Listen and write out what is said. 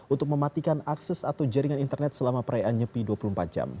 untuk mematikan akses atau jaringan internet selama perayaan nyepi dua puluh empat jam